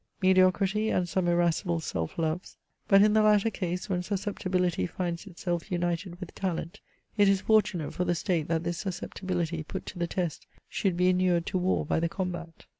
Mediocrity and some irascible self loves. But in the latter case, when suscep tibility finds itself united with talent, it is fortunate for the State that this susceptibility, put to the test, should be inured to war by the combat."